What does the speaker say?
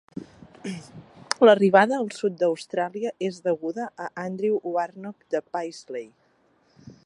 L'arribada al sud d'Austràlia és deguda a Andrew Warnock de Paisley.